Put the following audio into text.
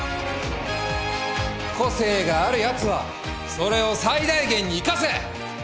個性があるやつはそれを最大限に生かせ！